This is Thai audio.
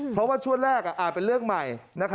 เพราะว่าช่วงแรกเป็นเรื่องใหม่